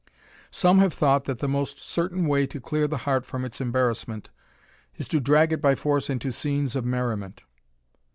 Some have thought that the most cer tain way to clear the heart from its embarrassment is to drag it by force into scenes of merriment.